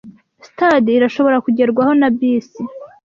Sitade irashobora kugerwaho na bisi.